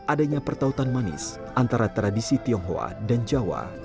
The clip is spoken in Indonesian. adanya pertautan manis antara tradisi tionghoa dan jawa